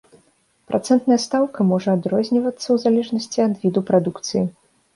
Працэнтная стаўка можа адрознівацца ў залежнасці ад віду прадукцыі.